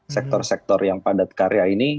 sektor sektor yang padat karya ini